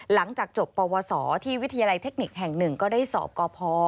หลังจากจบปวสอที่วิทยาลัยเทคนิคแห่ง๑ก็ได้สอบกพ